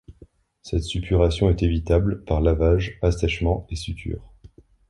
Cette suppuration est évitable par lavage, assèchement et suture.